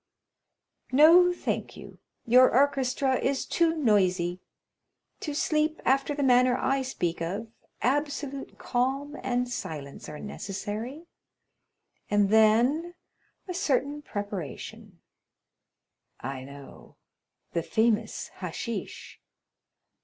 "No, thank you. Your orchestra is too noisy. To sleep after the manner I speak of, absolute calm and silence are necessary, and then a certain preparation——" "I know—the famous hashish!"